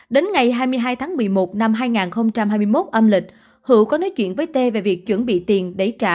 đến ngày hai mươi hai tháng một mươi một năm hai nghìn hai mươi một âm lịch hữu có nói chuyện với t về việc chuẩn bị tiền để trả